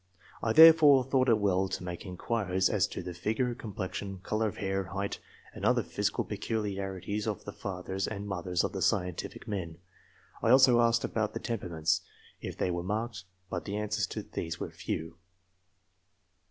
I therefore thought it well to make inquiries as to the figure, complexion, colour of hair, height, and other physical peculiarities of the fathers and mothers of the scientific men. I also asked about the temperaments, if they were marked, but the answers to these were few.